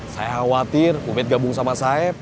saya khawatir ubed gabung sama saya